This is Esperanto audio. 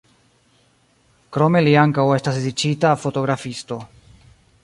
Krome li ankaŭ estas dediĉita fotografisto.